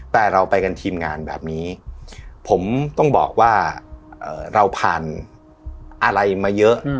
แต่เราไปกันทีมงานแบบนี้ผมต้องบอกว่าเราผ่านอะไรมาเยอะ